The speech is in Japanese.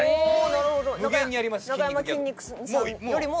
なかやまきんに君さんよりも？